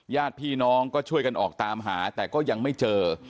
ญาติพี่น้องก็ช่วยกันออกตามหาแต่ก็ยังไม่เจอ